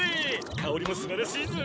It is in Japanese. かおりもすばらしいぞ！